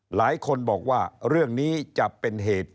หลายคนบอกว่าเรื่องนี้จะเป็นเหตุ